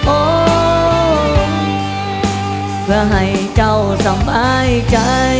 โอ้เพื่อให้เจ้าสำอายใจ